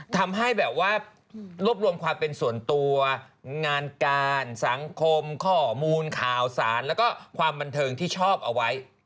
ทำให้แบบว่ารวบรวมความเป็นส่วนตัวงานการสังคมข้อมูลข่าวสารแล้วก็ความบันเทิงที่ชอบเอาไว้